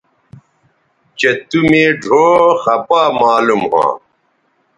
چہء تُو مے ڙھؤ خپا معلوم ھواں